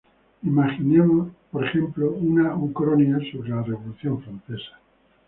Imaginemos por ejemplo una ucronía sobre la Revolución francesa.